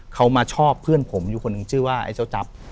เขามาชอบเพื่อนผมอยู่คนหนึ่งชื่อว่าไอ้เจ้าจับ